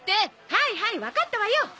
はいはいわかったわよ！